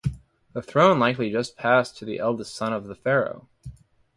The throne likely just passed to the eldest living son of the pharaoh.